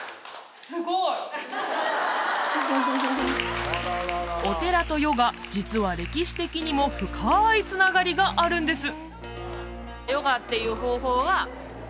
すごいお寺とヨガ実は歴史的にも深いつながりがあるんです